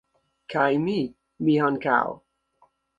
kaj mi, mi ankaŭ!